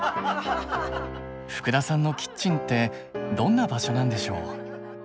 福田さんのキッチンってどんな場所なんでしょう？